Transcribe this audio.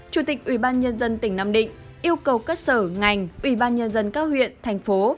chủ tịch ubnd tỉnh nam định yêu cầu cất sở ngành ubnd các huyện thành phố